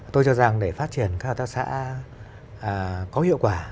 tôi cho rằng để phát triển các hợp tác xã có hiệu quả